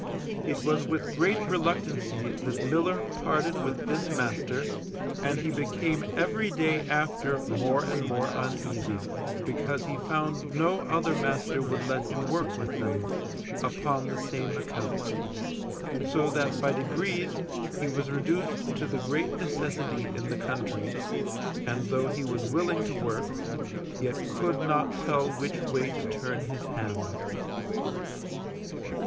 It was with great reluctancy that Miller parted with this master, and he became every day after more and more uneasy, because he found no other master would let him work with them, upon the same account; so that by degrees he was reduced to the great necessity in the country, and though he was willing to work, yet could not tell which way to turn his hand.